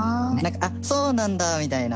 「あっそうなんだ」みたいな